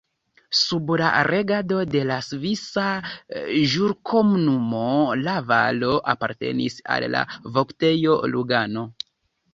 Sub la regado de la Svisa Ĵurkomunumo la valo apartenis al la Voktejo Lugano.